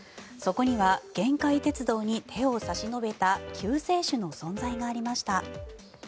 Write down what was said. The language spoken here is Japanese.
そこには限界鉄道に手を差し伸べた救世主の存在がありました。